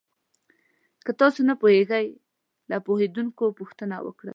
که تاسو نه پوهېږئ، له پوهېدونکو پوښتنه وکړئ.